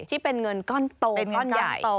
ที่เป็นเงินก้อนโตก้อนใหญ่โต